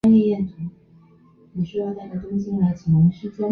模式种采样自台湾龟山岛。